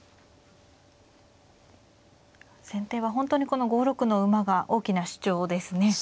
先手は本当にこの５六の馬が大きな主張ですね。